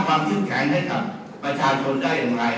ภาพความยุแกงใช้ของประชาคนได้อย่างไร